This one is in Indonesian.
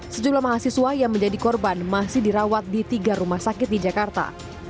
sejumlah mahasiswa yang menjadi korban masih dirawat di tiga rumah sakit di jakarta